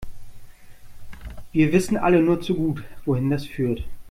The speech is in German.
Wir wissen alle nur zu gut, wohin das führt.